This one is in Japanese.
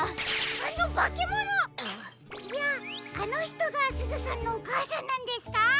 あのばけものいやあのひとがすずさんのおかあさんなんですか？